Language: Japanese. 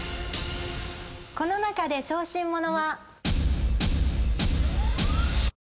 この中で小心者は。